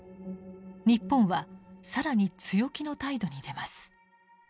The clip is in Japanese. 日本は更に強気の態度に出ます。